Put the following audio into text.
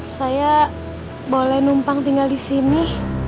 saya boleh numpang tinggal disini